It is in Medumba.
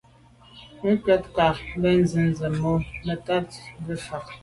Mə́ cwɛ̌d kwâ’ ncâ bə̀ncìn zə̄ bù bə̂ ntɔ́nə́ ngə́ fâ’.